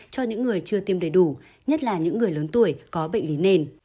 cho những người chưa tiêm đầy đủ nhất là những người lớn tuổi có bệnh lý nền